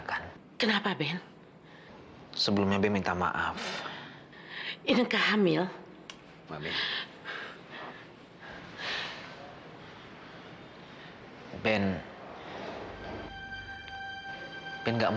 kamu sudah membunuh mamimu